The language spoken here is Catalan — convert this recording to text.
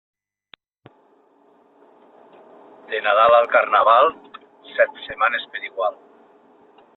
De Nadal a Carnaval, set setmanes per igual.